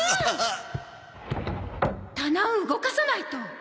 棚動かさないと。